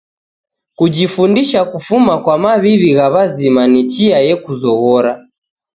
Kujifundisha kufuma kwa maw'iw'i gha w'azima ni chia yekuzoghora.